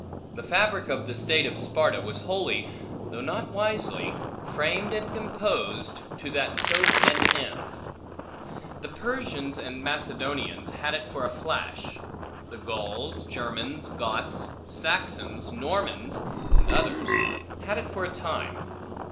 The fabric of the state of Sparta was wholly (though not wisely) framed and composed, to that scope and end. The Persians and Macedonians had it for a flash. The Gauls, Germans, Goths, Saxons, Normans, and others, had it for a time.